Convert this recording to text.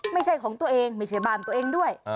ไม่ใช่ของตัวเองไม่ใช่บ้านตัวเองด้วย